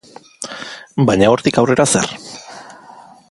Baina, hortik aurrera zer?